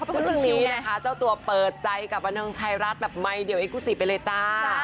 จนทีนี้นะคะเจ้าตัวเปิดใจกับวันทางชายราชแบบไม่เดียวไอ้กุศิไปเลยจ้า